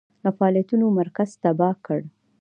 د فعالیتونو مرکز تباه کړ.